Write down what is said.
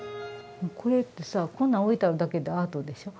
これってさこんなん置いてあるだけでアートでしょ？